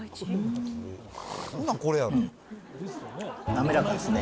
滑らかですね。